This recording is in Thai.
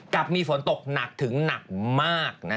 กับมีฝนตกหนักถึงหนักมาก